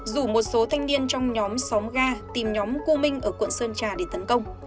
rủ một số thanh niên trong nhóm xóm ga tìm nhóm cô minh ở quận sơn trà để tấn công